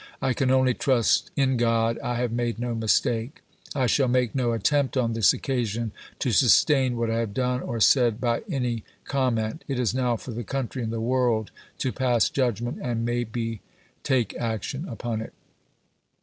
I can only trust in God I have made no mistake. I shall make no attempt on this occasion to sustain what I have done or said by any com ment. It is now for the country and the world to pass 1862. ' judgment, and may be take action upon it.